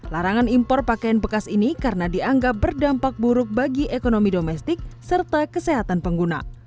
larangan impor pakaian bekas ini karena dianggap berdampak buruk bagi ekonomi domestik serta kesehatan pengguna